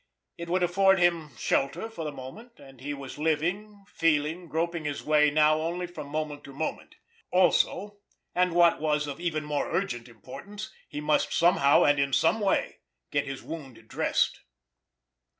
It would afford him shelter for the moment, and he was living, feeling, groping his way now only from moment to moment. Also, and what was of even more urgent importance, he must somehow and in some way get his wound dressed.